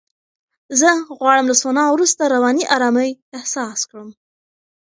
زه غواړم له سونا وروسته رواني آرامۍ احساس کړم.